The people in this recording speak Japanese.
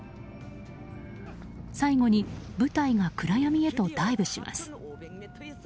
最後に部隊が暗闇へとダイブします。